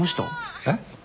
えっ？